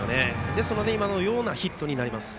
ですので今のようなヒットになります。